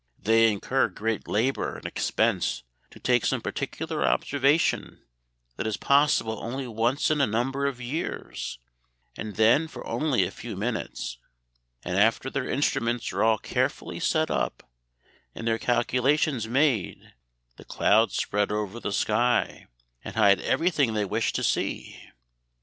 "They incur great labor and expense to take some particular observation that is possible only once in a number of years, and then for only a few minutes. And after their instruments are all carefully set up, and their calculations made, the clouds spread over the sky, and hide everything they wish to see.